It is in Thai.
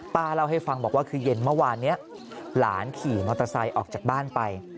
เล่าให้ฟังบอกว่าคือเย็นเมื่อวานนี้หลานขี่มอเตอร์ไซค์ออกจากบ้านไป